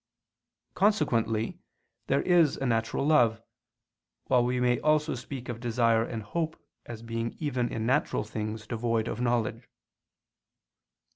Consequently there is a natural love; while we may also speak of desire and hope as being even in natural things devoid of knowledge.